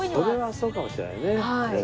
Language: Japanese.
それはそうかもしれないね。